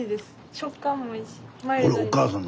食感もいいし。